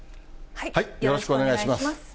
よろしくお願いします。